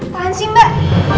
tahan sih mbak